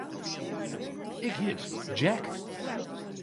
Ik hjit Jack.